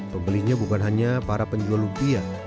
pembelinya bukan hanya para penjual lumpia